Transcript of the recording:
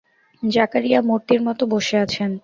জাকারিয়া মূর্তির মতো বসে আছেন।